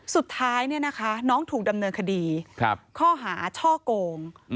สุดท้ายน้องถูกดำเนินคดีข้อหาช่อโกง